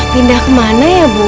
pindah kemana ya bu